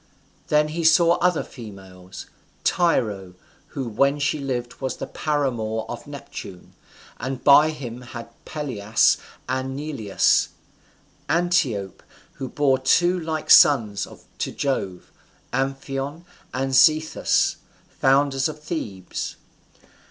Then saw he other females: Tyro, who when she lived was the paramour of Neptune, and by him had Pelias and Neleus. Antiope, who bore two like sons to Jove, Amphion and Zethus, founders of Thebes.